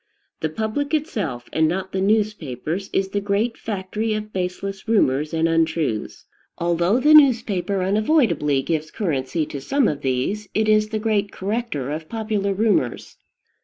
The public itself, and not the newspapers, is the great factory of baseless rumors and untruths. Although the newspaper unavoidably gives currency to some of these, it is the great corrector of popular rumors.